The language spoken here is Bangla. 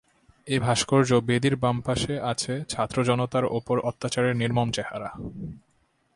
এ ভাস্কর্য বেদির বাম পাশে আছে ছাত্র-জনতার ওপর অত্যাচারের নির্মম চেহারা।